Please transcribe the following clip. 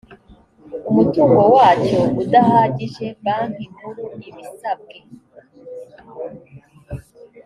umutungo wacyo udahagije banki nkuru ibisabwe